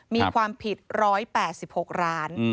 มีความผิด๑๘๖ล้าน